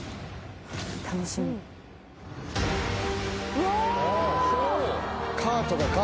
うわ！